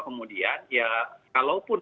kemudian ya kalaupun